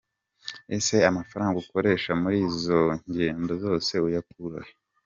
Ese amafaranga ukoresha muri izo ngendo zose uya kurahe?